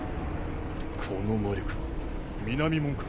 この魔力は南門か？